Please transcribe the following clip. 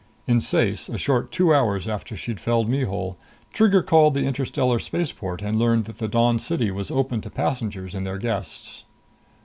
In Ceyce a short two hours after she'd felled Mihul, Trigger called the interstellar spaceport and learned that the Dawn City was open to passengers and their guests.